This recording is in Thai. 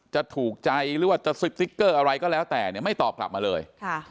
จะถูกใจหรือว่าจะสติ๊กเกอร์อะไรก็แล้วแต่เนี่ยไม่ตอบกลับมาเลย